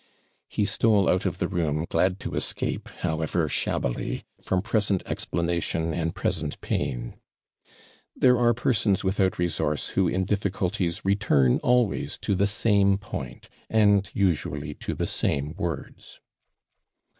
He stole out of the room, glad to escape, however shabbily, from present explanation and present pain. There are persons without resource who in difficulties return always to the same point, and usually to the same words.